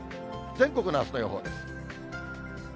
全国のあすの予報です。